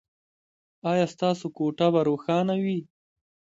ایا ستاسو کوټه به روښانه وي؟